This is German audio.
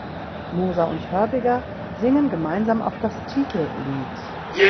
Moser und Hörbiger singen gemeinsam auch das Titellied.